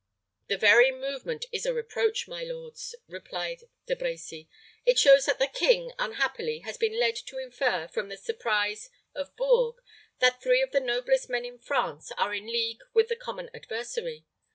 "The very movement is a reproach, my lords," replied De Brecy. "It shows that the king, unhappily, has been led to infer, from the surprise of Bourges, that three of the noblest men in France are in league with the common adversary.